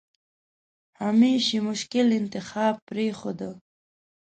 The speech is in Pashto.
همېش یې مشکل انتخاب پرېښوده.